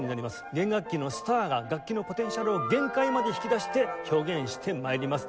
弦楽器のスターが楽器のポテンシャルを限界まで引き出して表現して参ります。